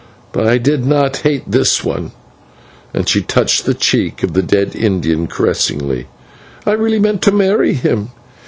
But I did not hate this one," and she touched the cheek of the dead Indian caressingly; "I really meant to marry him.